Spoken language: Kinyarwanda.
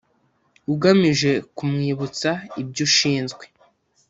ugamije kumwibutsa ibyo ushinzwe